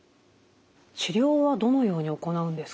治療はどのように行うんですか？